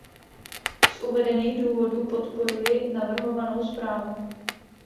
Z uvedených důvodů podporuji navrhovanou zprávu.